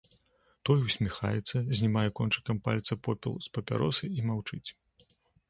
Той усміхаецца, знімае кончыкам пальца попел з папяросы і маўчыць.